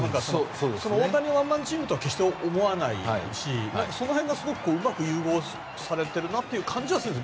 大谷ワンマンチームとは決して思わないしその辺がうまく融合されているなという感じがするんです。